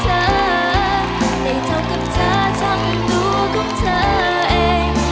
ใดเท่ากับเธอทำหนูของเธอเอง